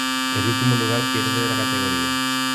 El último lugar pierde la categoría.